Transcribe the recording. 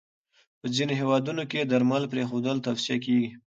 په ځینو هېوادونو کې درمل پرېښودل توصیه کېږي.